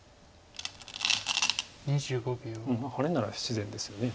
ハネなら自然ですよね。